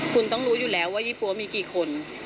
คุณต้องรู้อยู่แล้วว่ายี่ปั๊วมีกี่คน